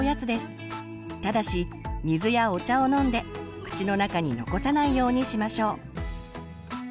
ただし水やお茶を飲んで口の中に残さないようにしましょう。